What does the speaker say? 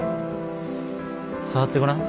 触ってごらん。